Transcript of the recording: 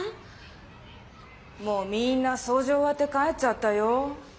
もうみんなそうじおわって帰っちゃったよ！